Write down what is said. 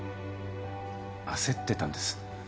焦ってたんです。